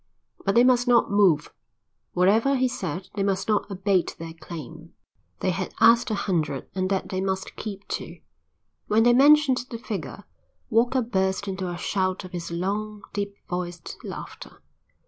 But they must not move; whatever he said they must not abate their claim; they had asked a hundred and that they must keep to. When they mentioned the figure, Walker burst into a shout of his long, deep voiced laughter.